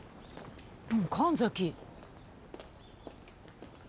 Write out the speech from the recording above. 神崎。